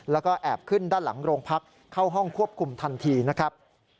แล้วก็แอบขึ้นด้านหลังโรงพักเข้าห้องควบคุมทันทีนะครับ